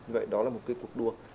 vậy đó là một cuộc đua